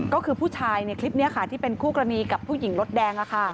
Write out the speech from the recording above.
ก็คือผู้ชายในคลิปนี้ค่ะที่เป็นคู่กรณีกับผู้หญิงรถแดง